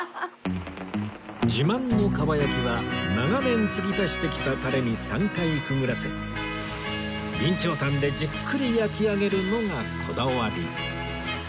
自慢のかば焼きは長年つぎ足してきたタレに３回くぐらせ備長炭でじっくり焼き上げるのがこだわり